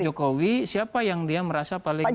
pak jokowi siapa yang dia merasa paling cocok